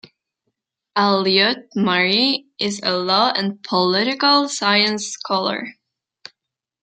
Alliot-Marie is a law and political science scholar.